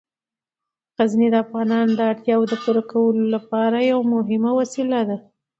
غزني د افغانانو د اړتیاوو د پوره کولو یوه مهمه وسیله ده.